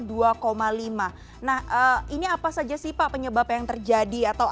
nah ini apa saja sih pak penyebab yang terjadi atau apa yang menyebabkan kemudian situs situs pemerintah ini